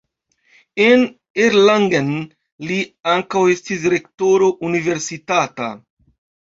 En Erlangen li ankaŭ estis rektoro universitata.